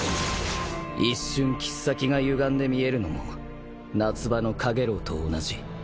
一瞬切っ先がゆがんで見えるのも夏場のかげろうと同じ。